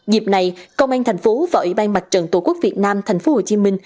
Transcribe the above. dịp này công an tp và ủy ban mặt trận tổ quốc việt nam tp hcm